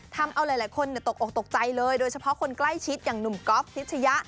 ทำเอาหลายคนตกออกตกใจเลยโดยเฉพาะคนใกล้ชิดอย่างหนุ่มก๊อฟพิชยะ